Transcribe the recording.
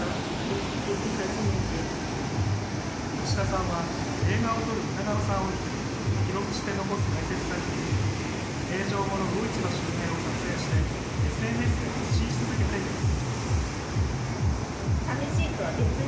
吉田さんは映画を撮る歌川さんを見て、記録して残す大切さに気付き、閉場後の魚市場周辺を撮影してＳＮＳで発信し続けています。